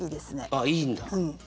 あっいいんだ？